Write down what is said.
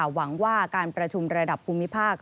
หวังว่าการประชุมระดับภูมิภาค